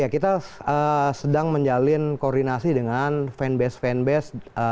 kita sedang menjalin koordinasi dengan fanbase fanbase